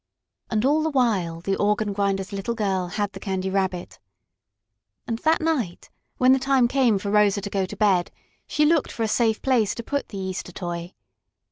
And all the while the organ grinder's little girl had the Candy Rabbit. And that night, when the time came for Rosa to go to bed, she looked for a safe place to put the Easter toy.